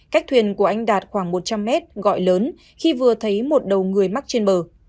cách thuyền của anh đạt khoảng một trăm linh mét gọi lớn khi vừa thấy một đầu người mắc trên bờ